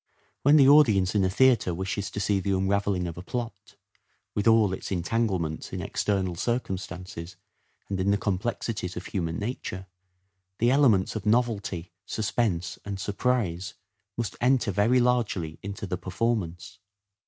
When the audience in a theatre wishes to see the unravelling of a plot, with all its en tanglements in external circumstances and in the complexities of human nature, the elements of novelty, suspense and surprise must enter very largely into the performance.